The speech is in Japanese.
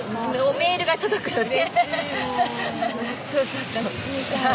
メールが届くので。